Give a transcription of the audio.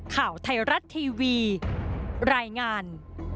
ข่าวไทยรัฐทีวีรายงาน